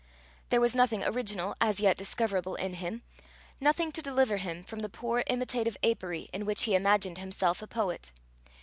There was nothing original as yet discoverable in him; nothing to deliver him from the poor imitative apery in which he imagined himself a poet.